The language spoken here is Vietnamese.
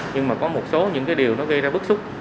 nhưng mà có một số những cái điều nó gây ra bức xúc